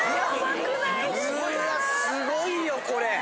うわすごいよこれ！